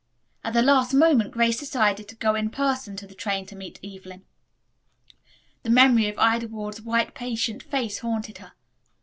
At the last moment Grace decided to go in person to the train to meet Evelyn. The memory of Ida Ward's white patient face haunted her.